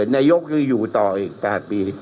นายกคืออยู่ต่ออีก๘ปี